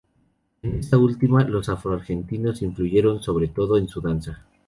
En esta última los afro-argentinos influyeron, sobre todo, en su danza.